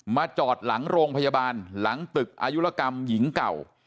จอดหลังโรงพยาบาลหลังตึกอายุรกรรมหญิงเก่า